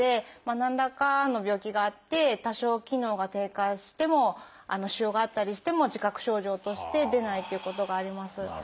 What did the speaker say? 何らかの病気があって多少機能が低下しても腫瘍があったりしても自覚症状として出ないということがあります。